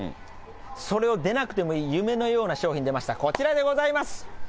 それを出なくてもいい夢のような商品出ました、こちらでございます。